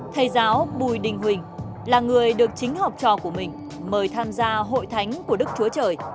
thầy giáo bùi đình huỳnh là người được chính học trò của mình mời tham gia hội thánh của đức chúa trời